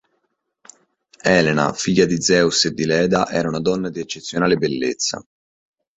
Elena, figlia di Zeus e di Leda, era una donna di eccezionale bellezza.